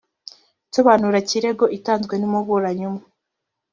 nsobanurakirego itanzwe n umuburanyi umwe